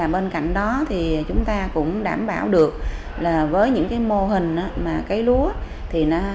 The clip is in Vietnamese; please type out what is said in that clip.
bên cạnh đó thì chúng ta cũng đảm bảo được là với những cái mô hình mà cấy lúa thì nó